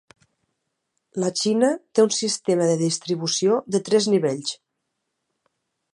La Xina té un sistema de distribució de tres nivells.